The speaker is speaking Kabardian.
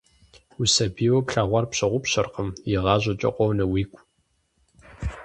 Усабийуэ плъэгъуар пщыгъупщэркъым, игъащӀэкӀэ къонэ уигу.